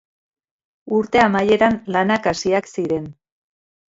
Urte amaieran lanak hasiak ziren.